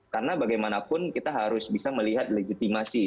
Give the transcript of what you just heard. karena bagaimanapun kita harus bisa melihat legitimasi